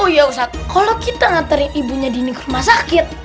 oh iya ustadz kalau kita ngantarin ibunya dini ke rumah sakit